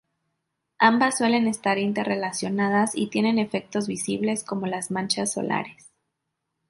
Ambas suelen estar interrelacionadas y tienen efectos visibles como las manchas solares.